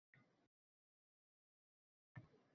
Bu chinakam zafar edi.